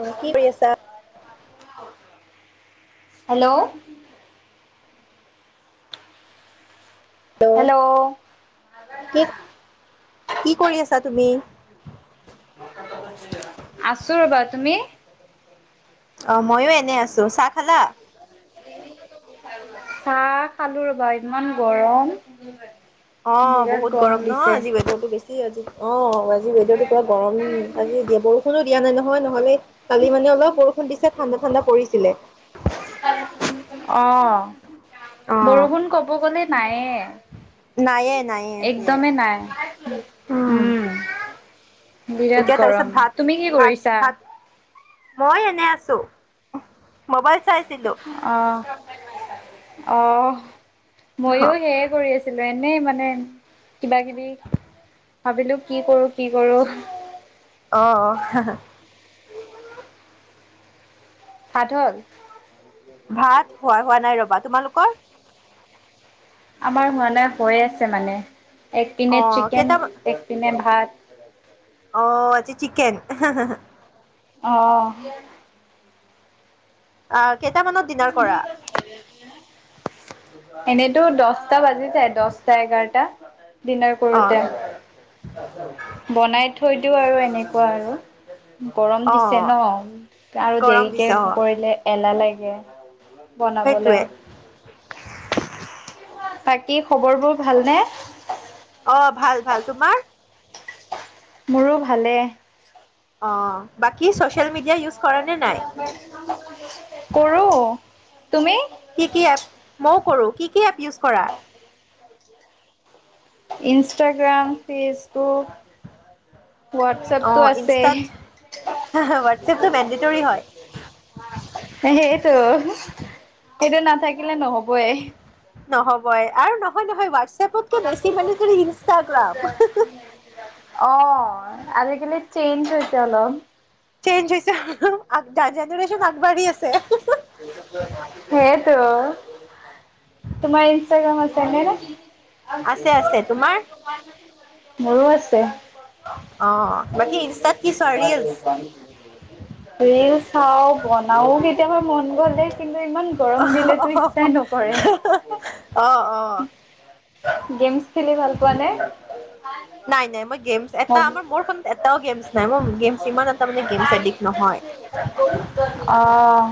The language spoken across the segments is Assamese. অ কি কৰি আছা হেল্ল'! হেল্ল'! কি কি কৰি আছা তুমি? আছোঁ ৰ'বা। তুমি? অ, ময়ো এনে আছো। চাহ খালা? চাহ খালো ৰবা, ইমান গৰম! অ, বিৰাট বহুত গৰম নহ, দিছে। আজি ৱেডাৰটো বেছি আজি। অ ৱে আজি ৱেডাৰ পুৰা গৰম, আজি দিয়া বৰষুণো দিয়া নাই নহয়, নহ'লে কালি মানে অলপ বৰষুণ দিছে ঠাণ্ডা-ঠাণ্ডা পৰিছিলে। অ, অ বৰষুণ ক'ব গ'লে নায়েই। নায়েই, নায়েই, সেইটোৱে। নাই উম। বিৰাট এতিয়া তাৰপিছত, গৰম তুমি কি কৰিছা? ভাত-ভাত-ভাত মই এনে আছো, মোবাইল চাই আছিলো। অহ, অহ, মইয়ো সেইয়ে কৰি আ ছিলো, এনেই মানে কিবা-কিবি, ভাবিলো কি কৰো, কি কৰো। অ, অ। ভাত হ'ল? ভাত হোৱা-হোৱা নাই ৰ'বা, তোমালোকৰ? আমাৰ হোৱা নাই, হৈ আছে মানে এক অ পিনে চিকেন কেইটামান এক পিনে ভাত। অ আজি চিকেন এহেহে। আহ। অ কেইটামানত ডিনাৰ কৰা? এনেতো দহটা বাজি যায় দহটা এঘাৰটা। ডিনাৰ অ কৰোতে বনাই থৈ দিও আৰু এনেকুৱা আৰু। গৰম অ দিছে ন আৰু গৰম দেৰিকে দিছে অ কৰিলে এলাহ লাগে। বনাবলে অ, সেইটোৱে বাকী খবৰ বোৰ ভালনে? অ ভাল ভাল তোমাৰ। মোৰো ভালেই। অ বাকী ছচিয়েল মিডিয়া ইউজ কৰা নে নাই। কৰো। তুমি? কি কি এপ মইয়ো কৰো। কি কি এপ ইউজ কৰা? Instagram, Facebook. অ হোৱাটছেপটো আছে। ইনষ্টাত হোৱাটছএপটো মেণ্ডেটৰী হয় সেইটো। সেইটো নাথাকিলে নহবই। নহবই আৰু নহয় নহয় হোৱাটছএপতকে বেছি মানে ইনষ্টাগ্ৰাম। অ আজিকালি চেইঞ্জ হৈছে অলপ। চেঞ্জ হৈছে জেনেৰেশ্যন আগবাঢ়ি আছে। সেইটো। তোমাৰ ইনষ্টাগ্ৰাম আছেনে? আছে আছে তোমাৰ মোৰো আছে। [inaudible] অ বাকী ইনষ্টাত কি চোৱা ৰিলচ ৰিল চাও বনাও কেতিয়াবা মন গ'ল দেই কিন্তু ইমান ইমান গৰম দিলেটো ইচ্ছাই নকৰে। অ, অ। গেমছ খেলি ভাল পোৱা নে? নাই নাই মই গেমচ এটা অ' আমাৰ মোৰখনত এটাও গেমছ নাই মোৰ গেমছ ইমান এটা মানে গেমছ এডিক্ট নহয়। আহ।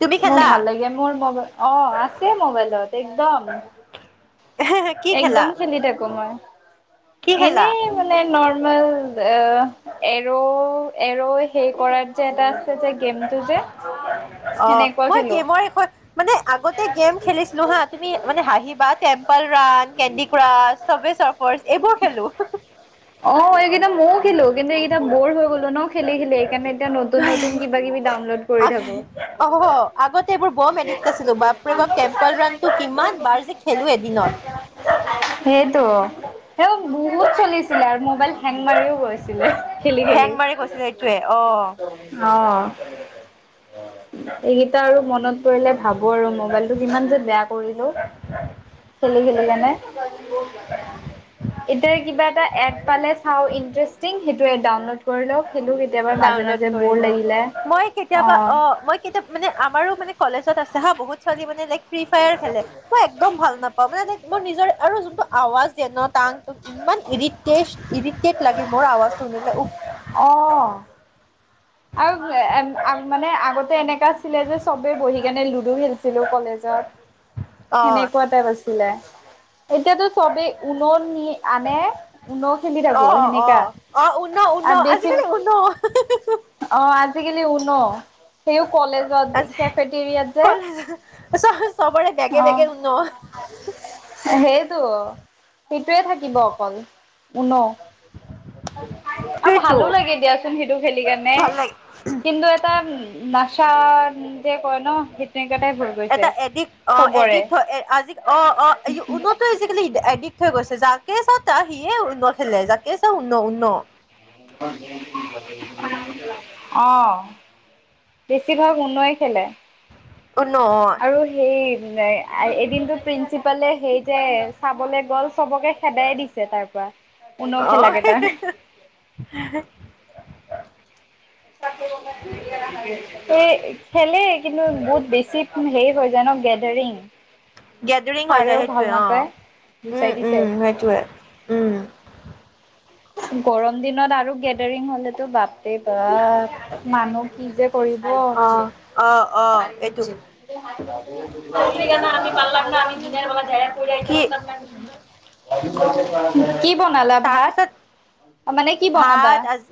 তুমি মোৰ খেলা ভাল লাগে মোৰ মোবাইল অ আছে মোবাইলত একদম। কি একদম খেলা খেলি থাকো মই কি খেলা এনেই মানে নৰ্মেল এৰ এৰ সেই কৰা। যে এটা আছে যে গেমটো যে অ সেনেকুৱা খেলো। [inaudible] মানে আগতে গেম খেলিছিলো হা তুমি মানে হাঁহি বা। Temple Run, Candy Crush, Subway চফাৰ এইবোৰ খেলো। অ এইকেইটা মইও। খিলো কিন্তু এইকেইটা বৰ হৈ গলো ন খেলি খেলি এইকাৰণে এতিয়া নতুন নতুন কিবা কিবি ডাউনলোড কৰি অ থাকো। আগতে এইবোৰ বম এডিক্ট আছিলো বাপৰে বাপ টেম্পল ৰানটো কিমান বাৰ যে খেলোঁ এদিনত। সেইটো সিটো বহুত চলিছে। চলিছিলে আৰু মোবাইল হেং মাৰিও গৈছিলে খেলি হেং খেলি। মাৰি গৈছিলে এইটোৱে অ অঁ। এইকেইটা আৰু মনত পৰিলে ভাবো আৰু মবাইলটো কিমান যে বেয়া কৰিলোঁ। খেলি খেলি কিনে এতিয়া কিবা এটা এড বালে চাওঁ ইণ্টাৰেষ্টিং, সেইটোৱে ডাউনলোড কৰিলেওঁ খেলোঁ কেতিয়াবা মাজে ডাউনলোড মাজে কৰি ব'ৰ লওঁ। লাগিলে, মই কেতিয়াবা অ'। মই কেতিয়া মানে আমাৰো মানে কলেজত আছে হা, বহুত ছোৱালী মানে লাইক ফ্ৰী ফায়াৰ খেলে। মই একদম ভাল নাপাওঁ মানে, মোৰ নিজৰ আৰু যোনটো আৱাজ দিয়ে ন, টাং-টোং ইমান ইৰিট [unintelligible] ইৰিকটেড লাগে মোৰ আৱাজটো শুনিলে, উফ। অ'। আৰু আগ মানে আগতে এনেকুৱা আছিলে যে চবেই বহি কেনে লুডু খেলিছিলোঁ কলেজত্ [inaudible] অ'। সেনেকুৱা টাইপ আছিলে। এতিয়াতো চবেই ঊন' নিয় আনে। উন খেলি থাকো অ', সেনেকা। অ'। অ', ঊন', আৰু ঊন', বেছি আজিকালি ঊন'। অ', আজিকালি ঊন'। হেও কলেজ ত। কলেজত চব চবৰে অ বেগে বেগে ঊন'। সেইটো, সেইটোৱে থাকিব অকল। ঊন'। সেইটোৱেটো ভালো লাগে দিয়াচোন সেইটো খেলিকেনে। ভাল লাগে। কিন্তু এটা নাচা যে কয় ন, সেইট এটা এডিক্ট অ', এডিক্ট হয়। আজি অ', অ', আইয়ো ঊনুত আজিকালি এডিক্ট হৈ গৈছে। যাকে চাওঁ তা- সিয়ে ঊন্ন' খেলে। যাকে চাওঁ ঊন্ন' ঊন্ন'। অ'। বেছিভাগ ঊন'ই খেলে। ঊন' অ'। আৰু সেই, এদিনটো প্ৰিন্সিপালে সেই যে চাবলৈ গ'ল সবকে খেদাইয়ে দিছে তাৰ পৰা, ঊন' অ খেলাকেইটাক। [unintelligible] এ, খেলেই। কিন্তু বহুত বেছি হেৰি হৈ যায় ন, গেদাৰিং গেদৰিং হৈ যায় সেইটোৱে অ'। গুচাই দিছে উ, উ, সেইটোয়ে, উ। গৰম দিনত আৰু গেদাৰিং হ'লেতো বাপ ৰে বাপ। মানুহ কি যে কৰিব! অ অ অ এইটো [unintelligible] কি বনালা ভাত? তাৰপিছত মানে কি বনাবা? ভাত আজি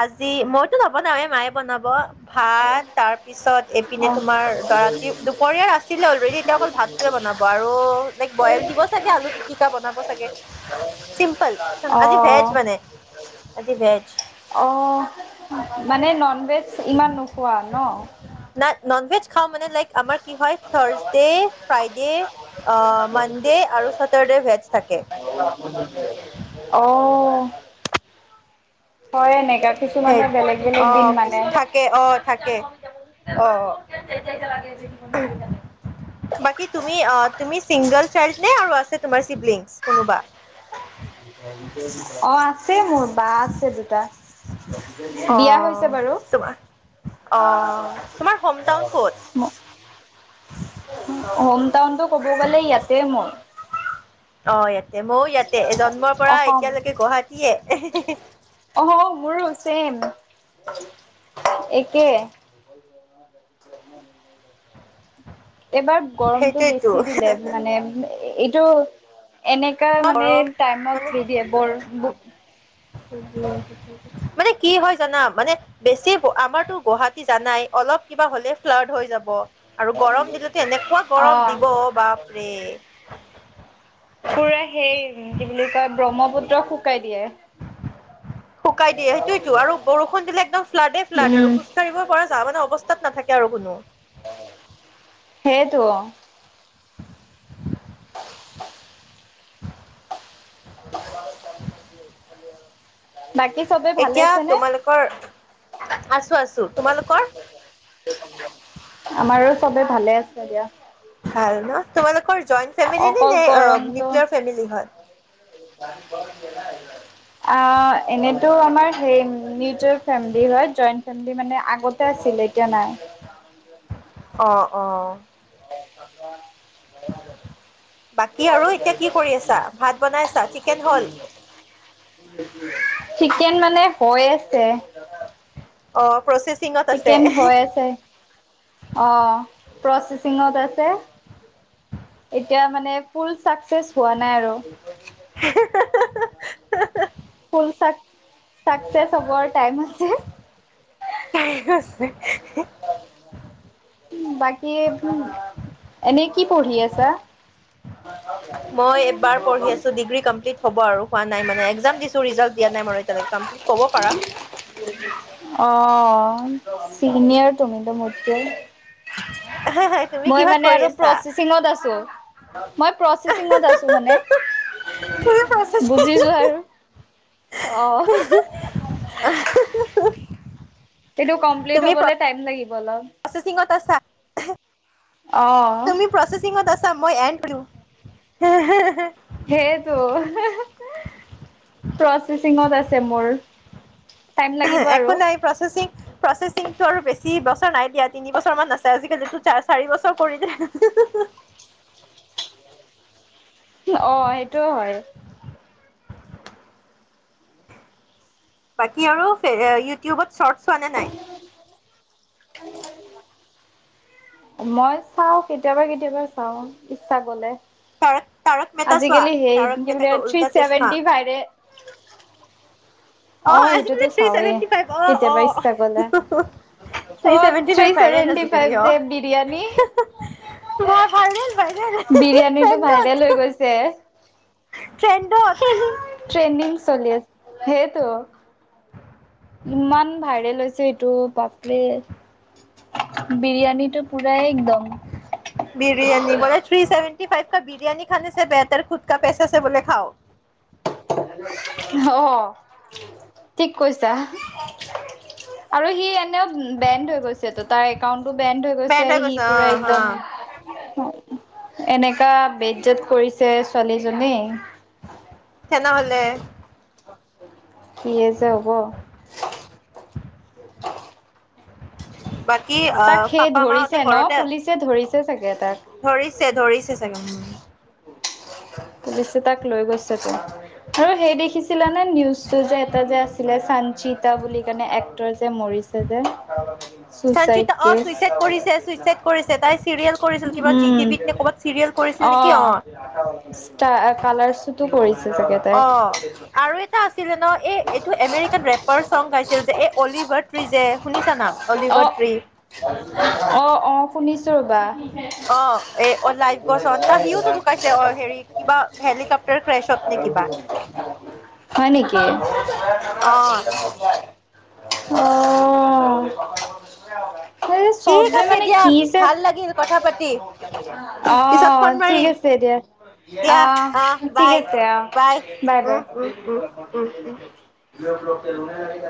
আজি, মইতো নবনাওঁৱে মায়ে বনাব। ভাত তাৰপিছত এইপিনে অ', তোমাৰ দ-ৰাতি দুপৰীয়াৰ আছিলে অলৰেডি, এতিয়া অকল ভাত টোৱে বনাব আৰু লাইক বইল দিব চাগে আলু পিটিকা বনাব চাগে। চিম্পল। আজি অ', ভেজ মানে, আজি ভেজ। অ', মানে ননভেজ ইমান নোখোৱা ন? নাই ননভেজ খাওঁ মানে লাইক আমাৰ কি হয় থৰ্চডে, ফ্ৰাইডে অ', মানডে আৰু চেটাৰ্ডে ভেজ থাকে। অ', হয় নেক ইয়াত কিছুমানে বেলেগ বেলেগ দিন কি মানে। কে। অ', থাকে। অ', অ'। বাকী তুমি অ', তুমি চিংগল চাইল্ড নে আৰু আছে তোমাৰ চিব্লিংছ কোনোবা অ', আছে মোৰ, বা আছে দুটা। বিয়া হৈছে অ' বাৰু। তোমাৰ অ' তোমাৰ হোম টাউন ক'ত? [unintelligible] ম, হোম টাউনটো ক'ব গ'লে ইয়াতে মোৰ। অ', ইয়াতে, ময়ো ইয়াতে, জন্মৰ পৰা অসম। এতিয়ালৈকে গুৱাহাটীয়ে। অ', মোৰো চেম, একে। এইবাৰ গৰমটো সেইটোয়েতো বেছি দিলে মানে এইটো এনে কা মানে গৰম মানে টাইমত নিদিয়ে বৰ বু মানে কি হয় জানা, মানে বেছি, আমাৰতো গুৱাহাটী জানাই, অলপ কিবা হ'লে, ফ্লাড হৈ যাব। আৰু গৰম দিলেতো এনেকুৱা গৰম অ', দিব, বাপৰে। পুৰা সেই, কি বুলি কয়, ব্ৰহ্মপুত্ৰক শুকাই দিয়ে। শুকাই দিয়ে, সেইটোৱেটো, আৰু বৰষুণ দিলে একদম ফ্লাডে, ফ্লাড উম আৰু খোজকাঢ়িব পৰা যা, মানে অৱস্থাত নাথাকে আৰু কোনো। সেইটো। [unintelligible] বাকী সবে এতিয়া তোমালোকৰ, আছোঁ, আছোঁ, তোমালোকৰ? আমাৰো সবে ভালে আছে দিয়া। ভাল ন', তোমালোকৰ জইণ্ট ফেমেলি ন অকল নে, আহ গৰমটো নিজৰ ফেমিলি হয়। [unintelligible] আহ, এনেইতো আমাৰ সেই নিজৰ ফেমিলি হয়, জইণ্ট ফেমিলি মানে আগত তে আহিলে, এতিয়া নাই। অ', অ'। [unintelligible] বাকী আৰু এতিয়া কি কৰি আছা, ভাত বনাই চা, চিকেন হল? চিকেন মানে হৈ আছে। অ', প্ৰচেছ চিকেন হৈ আছে, অ', প্ৰচচিঙত আছে। এতিয়া মানে ফুল চাকচেচ হোৱা নাই আৰু। ফুল চাক, চাকছেচ হ'ব টাইম আছে। [unintelligible] [unintelligible] বাকী, এনেই কি পঢ়ি আছা? মই এবাৰ পঢ়ি আছো, ডিগ্ৰী কমপ্লি হ'ব আৰু, হোৱা নাই, মানে একজাম দিছো, ৰিজাল্ট দিয়া নাই মানে এতিয়া লৈকে। কমপ্লিট ক'ব পাৰা। অ', চিনিয়ৰ তুমিতো মোতকে। তুমি মই কিহত মানে কৰি আৰু আছা প্ৰচি সিঙত আছোঁ, মই প্ৰচি সিঙত আছোঁ মানে। [unintelligible] বুজি যোৱা আৰু, অ'। আহ। কিন্তু কমপ্লিট হ'বলৈ টাইম লাগিব অলপ। প্ৰচেছিংত আছা। অ'। প্ৰচেছিংত আছা, মই [unintelligible] সেয়েটো, প্ৰচেছিংত আছে মোৰ। টাইম লাগিব একো আৰু নাই, প্ৰচেচিং, প্ৰচেচিংতটো আৰু বেছি বছৰ নাই দিয়া। তিনি বছৰ মান আছে, আজিকালিতো চাৰি বছৰ কৰিলে। অ' সেইটোও হয়। বাকী আৰু ইউটিউবত শ্বৰ্ট চোৱা নাই। [unintelligible] মই চাওঁ, কেতিয়াবা-কেতিয়াবা চাওঁ ইচ্ছা গ'লে। তাৰক তাৰক মেহতা চোৱা আজিকালি সেই তাৰক মেহতা বো কা থ্ৰী উল্টা চশমা ছেভেনটি ফাইভ অ' আজিকালি সেইটোতো থ্ৰী চাওঁৱেই। চেভেনটি ফাইভ, অ' কেতিয়াবা অ' ইচ্ছা গ'লে। থ্ৰী অ', seventy five viral seventy five আজিকালি অ'। যে বিৰিয়ানী [unintelligible] বিৰিয়ানীটো ভাইৰেল হৈ গৈছে। [unintelligible] ট্ৰেণ্ডত ট্ৰেডিঙ চলি আছে, সেইটো ইমান ভাইৰেল হৈছে এইটো বাপৰে। বিৰিয়ানীটো পূৰাই একদম। বিৰিয়ানী, বোলে থি ছেভেটি ফাইভ কা বিৰিয়ানী খানেছে বেহেটাৰ খুদকা পেচাছে বোলে খাওঁ। অ' ঠিক কৈছা, আৰু সি এনে এইপিনেও বেণ্ড হৈ গৈছে তো, তাৰ একাউন্টটো বেণ্ড হৈ গৈছে, সি পুৰা একদম এনেকা বেট জত কৰিছে ছোৱালীজনী তেনেহ'লে কিযে হ'ব। বাকী অ' পাপা মাহঁতে ঘৰতে যে ধৰিছে চাগে তাক। ধৰিছে, ধৰিছে চাগে উম'। পুলিচে তাক লৈ গৈছে তো। আৰু সেই দেখিছিলানে, নিউজটো যে এটা যে আছিলে চাঞ্চিতা বুলি কাৰণে এক্ৰৰ যে মৰিছে [inaudible] আছে যে চুচাইড চাঞ্চচিতা, অ' কেছ। চুইচাইড কৰিছে, চুইচাইড কৰিছে, তাই চিৰিয়েল কৰিছিল কিবা জি উম, টি ভিত নে ক'ৰবাত চিৰিয়েল কৰিছিল নেকি অ'। ইষ্টাৰ কালাৰ্ছত টো কৰিছে চাগে। তাই। অ' আৰু এটা আছিলে ন এই এইটো এমেৰিকাত ৰেপাৰ চং গাইছিল যে, এই অলিভাৰ ট্ৰি যে, শুনিছা নাম অ', অলিভাৰ ট্ৰি। অ' অ' শুনিছোঁ ৰ'বা। অ' এ অ' লাইভগছন সিওতো ঢুকাইছে অ' হেৰি কিবা হেলিকপ্টাৰ ক্ৰেছত নে কিবা। হয় নেকি? অ অ' আৰে চবে ঠিক যে আছে মানে দিয়া কিযে, ভাল লাগিল কথা পাতি পিছত অ' ফোন ঠিক মাৰিম আছে। থৈ দিয়া, দিয়া অ অ'হ ঠিক বাই আছে, অ' বাই বাই। উম উম উম উম' উম' [unintelligible]